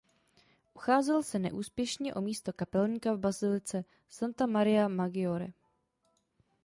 Ucházel se neúspěšně o místo kapelníka v bazilice Santa Maria Maggiore.